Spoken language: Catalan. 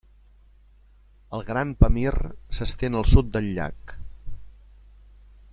El Gran Pamir s'estén al sud del llac.